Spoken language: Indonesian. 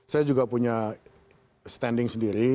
saya juga punya standing sendiri